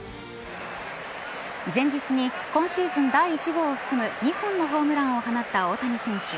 前日に今シーズン第１号を含む２本のホームランを放った大谷選手。